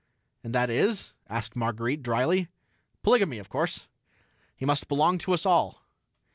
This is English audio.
"And that is...?" asked Marguerite drily. "Polygamy, of course. He must belong to us all."